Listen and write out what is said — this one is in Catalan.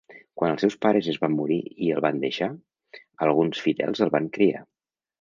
Quan els seus pares es van morir i el van deixar, alguns fidels el van criar.